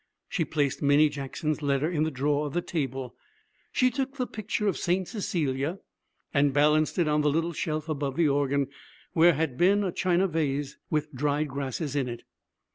She placed Minnie Jackson's letter in the drawer of the table. She took the picture of St. Cecilia and balanced it on the little shelf above the organ, where had been a china vase with dried grasses in it.